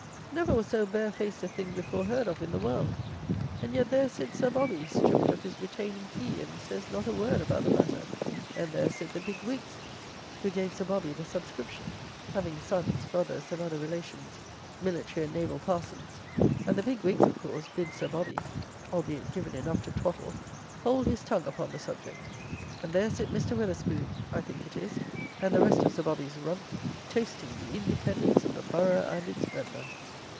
Never was so barefaced a thing before heard of in the world. And yet there sits Sir Bobby, stripped of his "retaining fee," and says not a word about the matter; and there sit the big Whigs, who gave Sir Bobby the subscription, having sons, brothers, and other relations, military and naval parsons, and the big Whigs, of course, bid Sir Bobby (albeit given enough to twattle) hold his tongue upon the subject; and there sit Mr. Wetherspoon (I think it is), and the rest of Sir Bobby's Rump, toasting "the independence of the Borough and its member!"